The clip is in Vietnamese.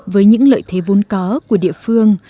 với những lợi thế vốn có của địa phương